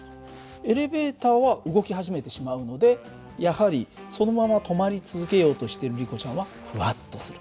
エレベーターは動き始めてしまうのでやはりそのまま止まり続けようとしてるリコちゃんはふわっとする。